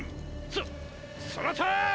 そそのとーり！